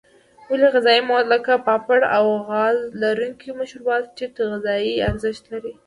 ولې غذایي مواد لکه پاپړ او غاز لرونکي مشروبات ټیټ غذایي ارزښت لري.